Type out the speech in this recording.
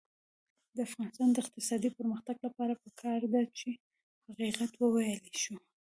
د افغانستان د اقتصادي پرمختګ لپاره پکار ده چې حقیقت وویلی شو.